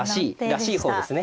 らしい方ですね。